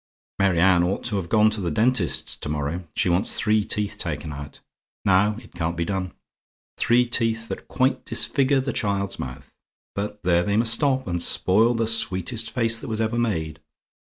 "Mary Anne ought to have gone to the dentist's to morrow. She wants three teeth taken out. Now, it can't be done. Three teeth that quite disfigure the child's mouth. But there they must stop, and spoil the sweetest face that was ever made.